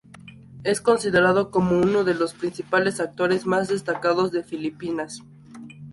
Es considerado como uno de los principales actores, más destacados de Filipinas.